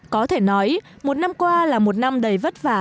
có thể nói một năm qua là một năm đầy vất vả